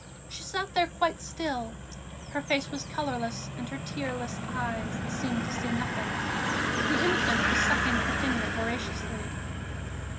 She sat there quite still; her face was colourless and her tearless eyes seemed to see nothing. The infant was sucking her finger voraciously.